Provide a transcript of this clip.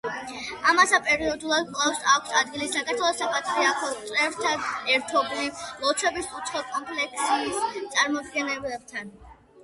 ამასთან, პერიოდულად კვლავ აქვს ადგილი საქართველოს საპატრიარქოს წევრთა ერთობლივ ლოცვებს უცხო კონფესიის წარმომადგენლებთან.